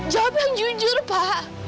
jawab yang jujur pak